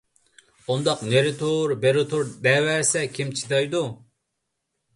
— ئۇنداق نېرى تۇر، بېرى تۇر دەۋەرسە، كىم چىدايدۇ؟